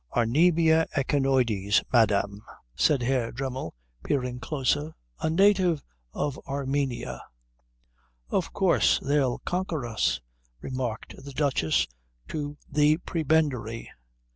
"Arnebia echinoides, madam," said Herr Dremmel peering closer. "A native of Armenia." "Of course they'll conquer us," remarked the Duchess to the prebendary.